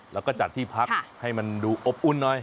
แล้วก็จัดที่พักให้มันดูอบอุ่นหน่อย